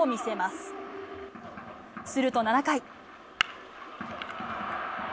すると７回。